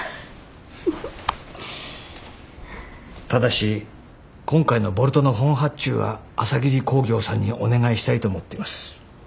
ただし今回のボルトの本発注は朝霧工業さんにお願いしたいと思ってます。